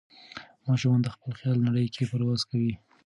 ماشومان د خپل خیال نړۍ کې پرواز کوي.